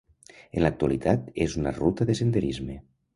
En l'actualitat és una ruta de senderisme.